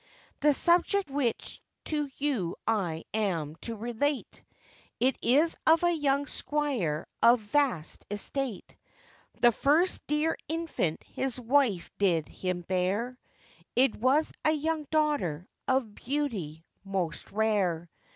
The subject which to you I am to relate, It is of a young squire of vast estate; The first dear infant his wife did him bear, It was a young daughter of beauty most rare.